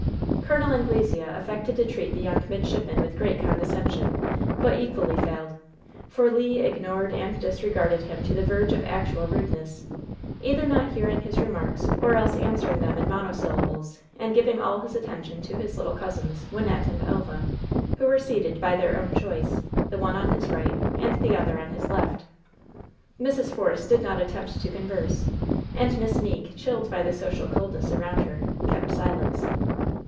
Col. Anglesea affected to treat the young midshipman with great condescension, but equally failed; for Le ignored and disregarded him to the verge of actual rudeness either not hearing his remarks or else answering them in monosyllables and giving all his attention to his little cousins, Wynnette and Elva, who were seated, by their own choice, the one on his right and the other on his left. Mrs. Force did not attempt to converse, and Miss Meeke, chilled by the social coldness around her, kept silence.